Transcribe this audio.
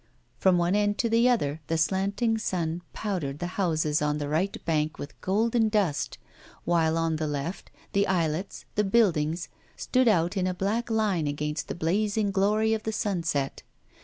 From one end to the other the slanting sun powdered the houses on the right bank with golden dust, while, on the left, the islets, the buildings, stood out in a black line against the blazing glory of the sunset.